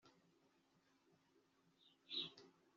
Ari mukanda kumatako yanjye